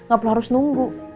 gapelah harus nunggu